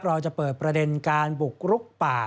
เราจะเปิดประเด็นการบุกรุกป่า